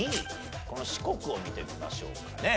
この四国を見てみましょうかね。